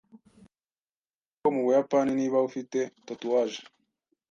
Wari uzi ko mu Buyapani, niba ufite tatouage,